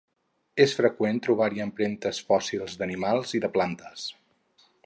És freqüent trobar-hi empremtes fòssils d'animals i de plantes.